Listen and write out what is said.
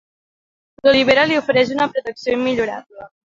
L'olivera li ofereix una protecció immillorable.